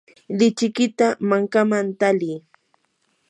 lichikita mankaman tali.